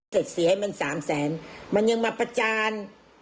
เสร็จเสียให้มันสามแสนมันยังมาประจาน